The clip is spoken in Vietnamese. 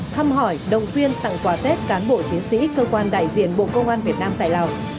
thăm hỏi động viên tặng quà tết cán bộ chiến sĩ cơ quan đại diện bộ công an việt nam tại lào